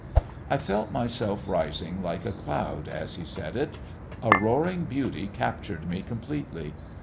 I felt myself rising like a cloud as he said it. A roaring beauty captured me completely.